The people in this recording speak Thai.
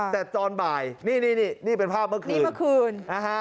แต่ตอนบ่ายนี่เป็นภาพเมื่อคืนนี่เมื่อคืน